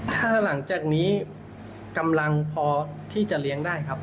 ถ้าหลังจากนี้กำลังพอที่จะเลี้ยงได้ครับ